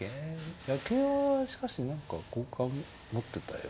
いや桂はしかし何か好感持ってたよ。